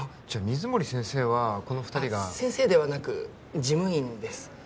じゃあ水森先生はこの二人が先生ではなく事務員です